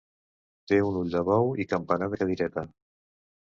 Té un ull de bou i campanar de cadireta.